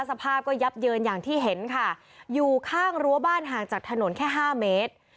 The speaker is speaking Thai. สภาพก็ยับเยินอย่างที่เห็นค่ะอยู่ข้างรั้วบ้านห่างจากถนนแค่ห้าเมตร